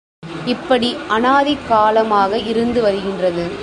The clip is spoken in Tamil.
இப்படி அநாதி காலமாக இருந்து வருகின்றது.